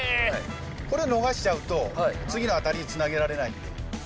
これを逃しちゃうと次のアタリにつなげられないんで。